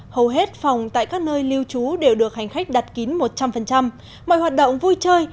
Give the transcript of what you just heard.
hầu hết phòng tại các nơi lưu trú đều được hành khách đặt kín một trăm linh mọi hoạt động vui chơi